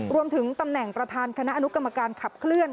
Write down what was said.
รวมถึงตำแหน่งประธานคณะอนุกรรมการขับเคลื่อน